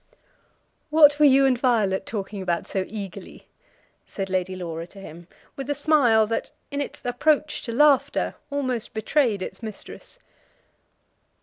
"What were you and Violet talking about so eagerly?" said Lady Laura to him, with a smile that, in its approach to laughter, almost betrayed its mistress.